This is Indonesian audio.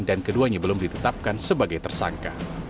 dan keduanya belum ditetapkan sebagai tersangka